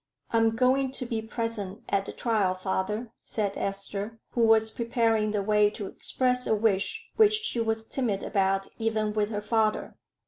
"I am going to be present at the trial, father," said Esther, who was preparing the way to express a wish, which she was timid about even with her father.